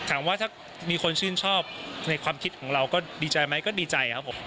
ถามว่าถ้ามีคนชื่นชอบในความคิดของเราก็ดีใจไหมก็ดีใจครับผม